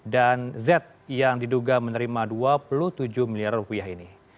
dan z yang diduga menerima rp dua puluh tujuh miliar ini